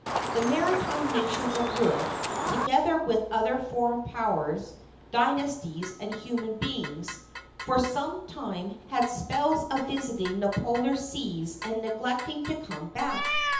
The maritime nations of Europe, together with other foreign powers, dynasties, and human beings, for some time had spells of visiting the polar seas and neglecting to come back.